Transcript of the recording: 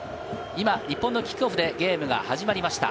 今、日本のキックオフでゲームが始まりました。